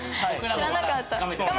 知らなかった。